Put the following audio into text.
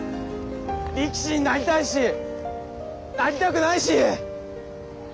力士になりたいしなりたくないし。